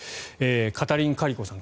カタリン・カリコさん